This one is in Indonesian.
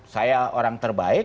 saya orang terbaik